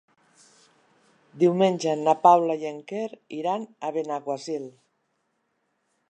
Diumenge na Paula i en Quer iran a Benaguasil.